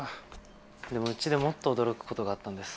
でもうちでもっと驚くことがあったんです。